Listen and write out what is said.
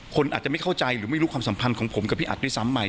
คนอาจจะไม่เข้าใจหรือไม่รู้ความสัมพันธ์ของผมกับพี่อัดด้วยซ้ำไป